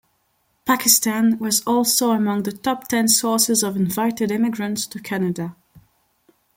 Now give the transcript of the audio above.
Pakistan was also among the top ten sources of invited immigrants to Canada.